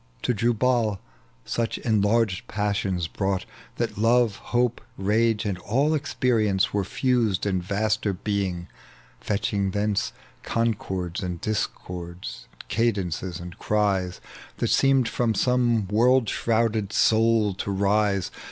To Jubal such enlai^ed passion brought, That love, hope, rage, and all experience, Were fused in vaster being, fetching thence .tec bv Google 16 THE LEGEND OF JUBAL. Concords and discords, cadences and cries That seemed from some world shrouded soul to rise.